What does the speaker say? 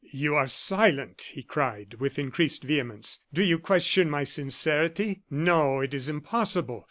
"You are silent," he cried, with increased vehemence. "Do you question my sincerity? No, it is impossible!